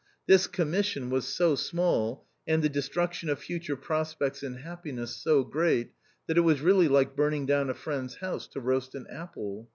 This commission i/6 THE OUTCAST. was so small, and the destruction of future prospects and happiness so great, that it was really like burning down a friend's house to roast an apple.